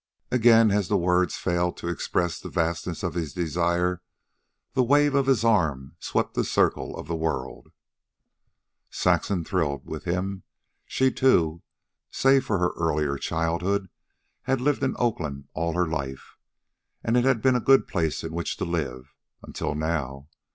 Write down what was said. Again, as words failed to express the vastness of his desire, the wave of his arm swept the circle of the world. Saxon thrilled with him. She too, save for her earlier childhood, had lived in Oakland all her life. And it had been a good place in which to live... until now.